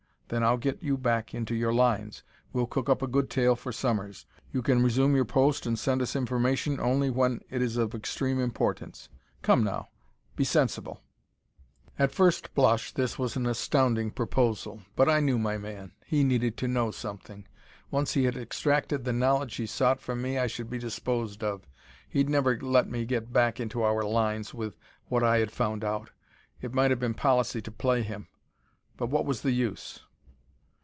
Then I'll get you back into your lines: we'll cook up a good tale for Sommers. You can resume your post and send us information only when it is of extreme importance. Come, now, be sensible." At first blush this was an astounding proposal. But I knew my man. He needed to know something. Once he had extracted the knowledge he sought from me, I should be disposed of. He'd never let me get back into our lines with what I had found out. It might have been policy to play him but what was the use?